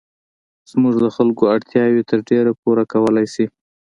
زموږ د خلکو اړتیاوې تر ډېره پوره کولای شي.